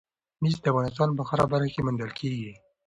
مس د افغانستان په هره برخه کې موندل کېږي.